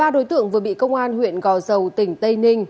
một mươi ba đối tượng vừa bị công an huyện gò dầu tỉnh tây ninh